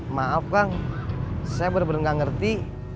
maaf kang saya benar benar nggak ngerti